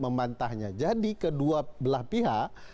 membantahnya jadi kedua belah pihak